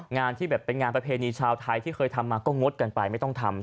งานที่แบบเป็นงานประเพณีชาวไทยที่เคยทำมาก็งดกันไปไม่ต้องทำ